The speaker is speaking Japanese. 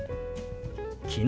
「昨日」。